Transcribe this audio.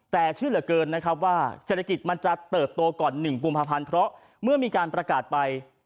แต่เชื่อเหลือเกินนะครับว่าเศรษฐกิจมันจะเติบโตก่อน๑กุมภาพันธ์เพราะเมื่อมีการประกาศไป